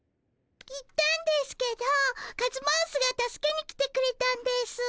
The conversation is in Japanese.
行ったんですけどカズマウスが助けに来てくれたんですぅ。